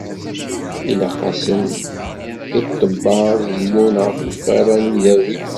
Ilaq-asen i ṭṭebba ad dlun ɣef ufara n udawi.